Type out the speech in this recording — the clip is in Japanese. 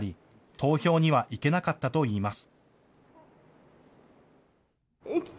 投票には行けなかったといいます。